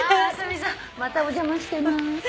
またお邪魔してまーす。